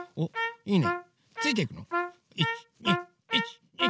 いいね！